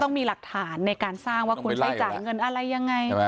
ต้องมีหลักฐานในการสร้างว่าคุณใช้จ่ายเงินอะไรยังไง